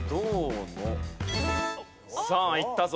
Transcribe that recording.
さあいったぞ。